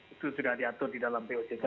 itu sudah diatur di dalam pojk